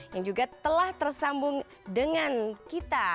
yang juga telah tersambung dengan kita